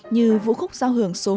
như vũ khúc giao hưởng xuất